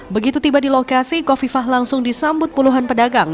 begitu tiba di lokasi kofifah langsung disambut puluhan pedagang